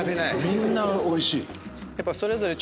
みんなおいしい。